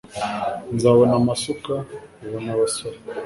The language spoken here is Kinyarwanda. nzabona amasuka, ubona abasore